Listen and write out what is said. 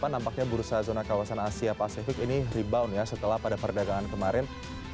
nampaknya bursa zona kawasan asia pasifik ini rebound ya setelah pada perdagangan kemarin